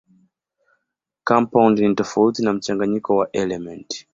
Kampaundi ni tofauti na mchanganyiko wa elementi.